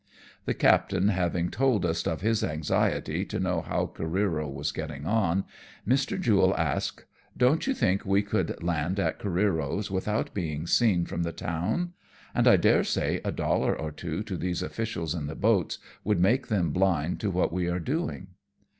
The captain having told us of his anxiety to know NEALANCE AND T VISIT THE SHORE. 147 how Oareero was getting ou, Mr. Jule asks :" Don't you think we could land at Oareero's without being seen from the town ? and I daresay a dollar or two to these officials in the boats would make them blind to what we were doing."